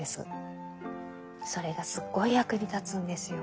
それがすごい役に立つんですよ。